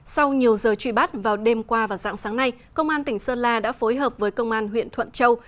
sau nhiều giờ truy bắt vào đêm qua và dạng sáng nay công an tỉnh sơn la đã phối hợp với công an huyện thuận châu